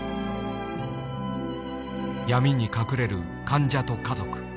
闇に隠れる患者と家族。